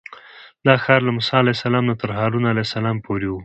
دا ښار له موسی علیه السلام نه تر هارون علیه السلام پورې و.